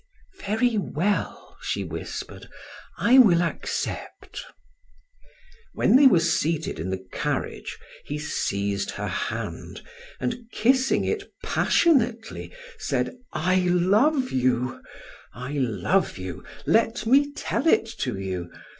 "Very well," she whispered, "I will accept." When they were seated in the carriage, he seized her hand, and kissing it passionately said: "I love you, I love you. Let me tell it to you.